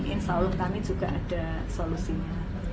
insya allah kami juga ada solusinya